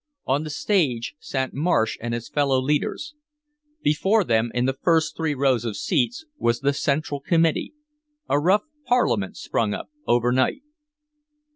On the stage sat Marsh and his fellow leaders. Before them in the first three rows of seats was the Central Committee, a rough parliament sprung up over night.